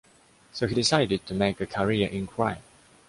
So he decided to make a career in crime.